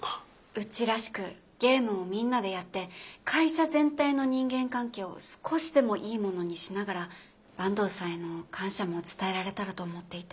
うちらしくゲームをみんなでやって会社全体の人間関係を少しでもいいものにしながら坂東さんへの感謝も伝えられたらと思っていて。